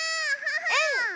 うん！